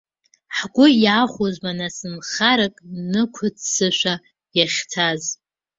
Ҳгәы иахәозма нас нхарак нықәыццышәаа иахьцаз?